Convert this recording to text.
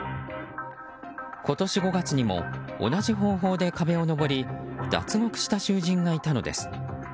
今年５月にも同じ方法で壁を登り脱獄した囚人がいたのです。